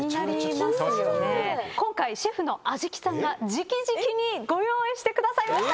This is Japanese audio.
今回シェフの安食さんが直々にご用意してくださいました。